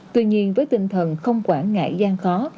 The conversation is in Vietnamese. tuy nhiên với tinh thần không quản ngại gian khó